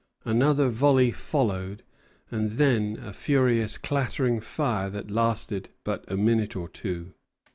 Another volley followed, and then a furious clattering fire that lasted but a minute or two.